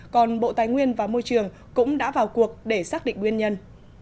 còn bộ tài nguyên và môi trường cũng đã vào cuộc để xác định nguyên nhân